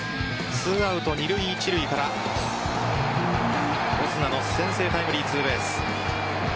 ２アウト二塁・一塁からオスナの先制タイムリーツーベース。